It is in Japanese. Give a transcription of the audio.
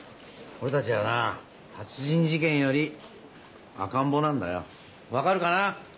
俺たちはな殺人事件より赤ん坊なんだよわかるかな！